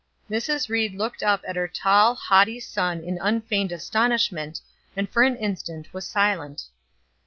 Mrs. Ried looked up at her tall, haughty son in unfeigned astonishment, and for an instant was silent.